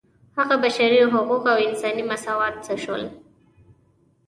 هغه بشري حقوق او انساني مساوات څه شول.